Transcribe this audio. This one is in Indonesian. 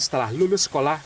setelah lulus sekolah